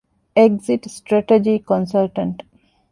އެގްޒިޓް ސްޓްރެޓަޖީ ކޮންސަލްޓަންޓް